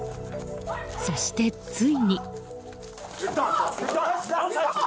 そして、ついに。